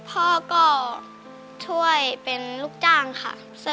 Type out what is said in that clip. ร้องได้